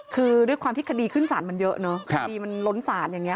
คือด้วยความที่คดีขึ้นสารมันเยอะเนอะคดีมันล้นศาลอย่างนี้